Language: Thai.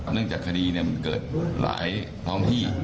เนื่องจากคดีมันเกิดหลายท้องที่